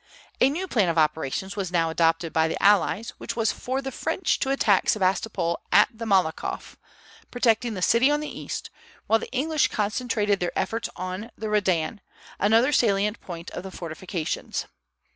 A new plan of operations was now adopted by the allies, which was for the French to attack Sebastopol at the Malakoff, protecting the city on the east, while the English concentrated their efforts on the Redan, another salient point of the fortifications.